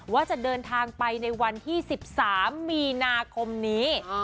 ว่าจะเดินทางไปในวันที่๑๓มีนาคมนี้